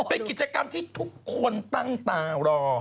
เป็นกิจกรรมที่ทุกคนตั้งตารอ